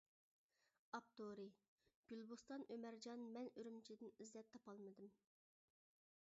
ئاپتورى: گۈلبوستان ئۆمەرجان مەن ئۈرۈمچىدىن ئىزدەپ تاپالمىدىم.